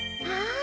あ。